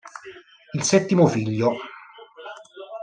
Il settimo figlio